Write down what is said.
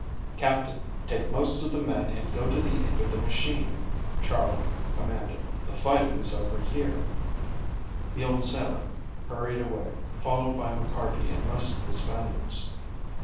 "Captain, take most of the men and go to the aid of the machine," Charley commanded. "The fighting is over here." The old sailor hurried away, followed by McCarty and most of the Spaniards.